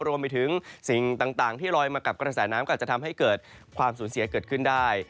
รวมไปถึงสิ่งต่างที่ลอยมากับกระแสน้ำก็อาจจะทำให้เกิดความสูญเสียเกิดขึ้นได้